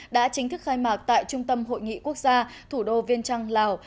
đã chính thức khai mạc tại trung tâm hội nghị quốc gia thủ đô viên trăng lào